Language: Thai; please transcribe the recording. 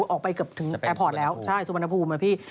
ออกไปเกือบถึงแอร์พอร์ตแล้วสุบันภูมิค่ะพี่